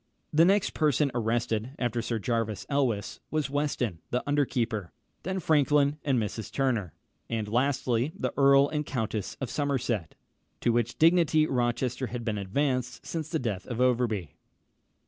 The next person arrested after Sir Jervis Elwes, was Weston, the under keeper; then Franklin and Mrs. Turner; and lastly, the Earl and Countess of Somerset, to which dignity Rochester had been advanced since the death of Overbury.